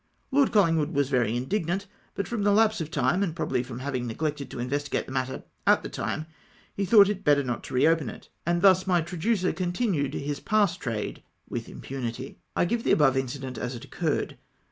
Lord Colhngwood was very indignant, but from the lapse of time, and probably fi'om having neglected to investigate the matter at the time, he thought it better not to reopen it, and thus my tra ducer continued his pass trade with impunity. I give the above incident as it occurred.